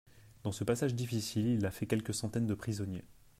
Dans ce passage difficile il a fait quelques centaines de prisonniers.